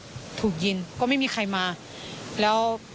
ส่วนรถที่นายสอนชัยขับอยู่ระหว่างการรอให้ตำรวจสอบ